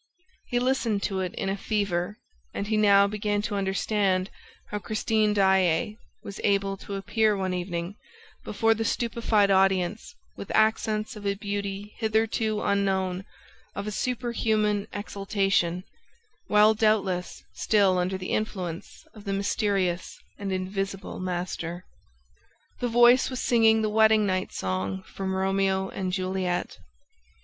He listened to it in a fever and he now began to understand how Christine Daae was able to appear one evening, before the stupefied audience, with accents of a beauty hitherto unknown, of a superhuman exaltation, while doubtless still under the influence of the mysterious and invisible master. The voice was singing the Wedding night Song from Romeo and Juliet.